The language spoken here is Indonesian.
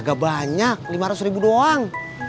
gak banyak lima ratus ribu doang